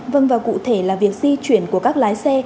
vâng và cụ thể là việc di chuyển của các lái xe